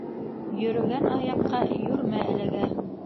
Йөрөгән аяҡҡа йүрмә эләгә.